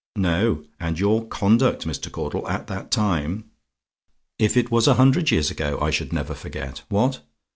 No; and your conduct, Mr. Caudle, at that time if it was a hundred years ago I should never forget. What?